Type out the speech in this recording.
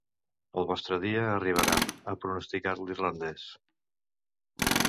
El vostre dia arribarà, ha pronosticat l’irlandès.